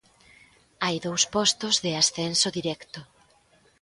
Hai dous postos de ascenso directo.